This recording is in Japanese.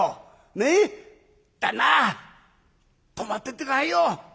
ねえ旦那泊まってって下さいよ。